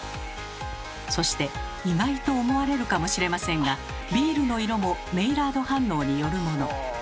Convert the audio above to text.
そして意外と思われるかもしれませんがビールの色もメイラード反応によるもの。